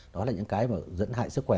đó là những cái mà dẫn hại sức khỏe